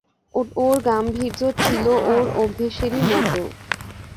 ওর গাম্ভীর্য ছিল ওর অভ্যেসেরই মতো।